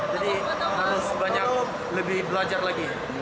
jadi harus banyak lebih belajar lagi